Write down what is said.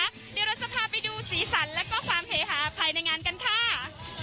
เดี๋ยวเราจะพาไปดูสีสันแล้วก็ความเฮฮาภายในงานกันค่ะ